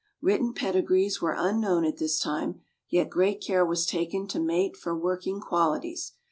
Written pedigrees were unknown at this time, yet great care was taken to mate for working qualities.